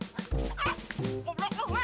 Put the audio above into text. semoga cepat sembuh ya